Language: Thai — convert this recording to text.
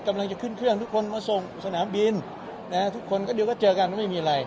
กำลังจะขึ้นเครื่องทุกคนมาส่งสนามบินทุกคนก็เดี๋ยวก็เจอกันไม่มีอะไร